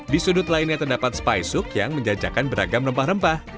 di sudut lainnya terdapat space sook yang menjajakan beragam rempah rempah